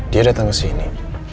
dia datang ke sini